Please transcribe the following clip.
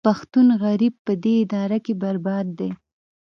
پښتون غریب په دې اداره کې برباد دی